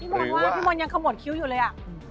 พี่มนต์ยังขโมยคิ้วอยู่เลยอะ